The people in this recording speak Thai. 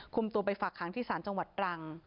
ตัวไปฝากหางที่ศาลจังหวัดตรัง